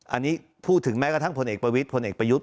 อันนี้พูดถึงแม้กระทั่งพลเอกประวิทธพลเอกประยุทธ์